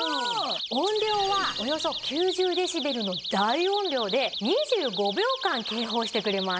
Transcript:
音量はおよそ９０デシベルの大音量で２５秒間警報してくれます。